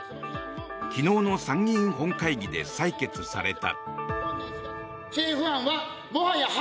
昨日の参議院本会議で採決された。